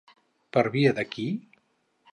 Per via de qui?